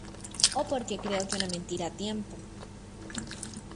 o porque creo que una mentira a tiempo